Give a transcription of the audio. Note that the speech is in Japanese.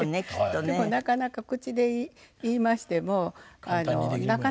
でもなかなか口で言いましても。